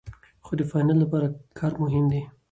خو د فاینل لپاره کار مهم دی.